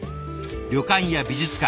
旅館や美術館